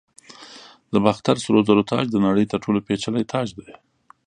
د باختر سرو زرو تاج د نړۍ تر ټولو پیچلی تاج دی